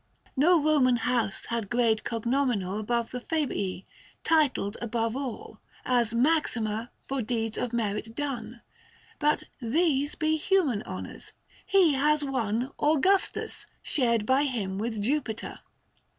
No Roman house had grade cognominal Above the Fabii ; titled above all As "Maxima," for deeds of merit done. 650 Bat these be human honours : he has won " Augustus," shared by him with Jupiter.